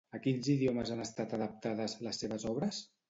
A quins idiomes han estat adaptades, les seves obres?